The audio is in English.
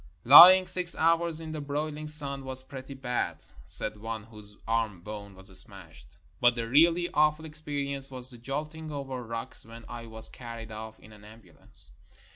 "Lying six hours in the broiling sun was pretty bad," said one whose arm bone was smashed; "but the really awful experience was the jolting over rocks when I was carried off in an ambulance."